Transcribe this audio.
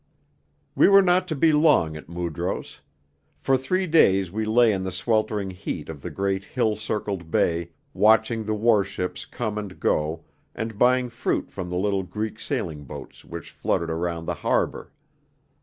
II We were not to be long at Mudros. For three days we lay in the sweltering heat of the great hill circled bay, watching the warships come and go, and buying fruit from the little Greek sailing boats which fluttered round the harbour.